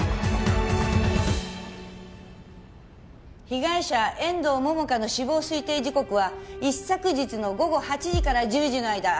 被害者遠藤桃花の死亡推定時刻は一昨日の午後８時から１０時の間。